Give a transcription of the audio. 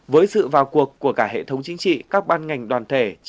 với sự vào cuộc của cả hệ thống chính trị các ban ngành đoàn thể